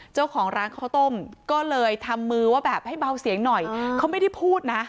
เจ้าของร้านข้าวต้มก็เลยทำมือว่าแบบให้เบาเสียงหน่อยเขาไม่ได้พูดนะ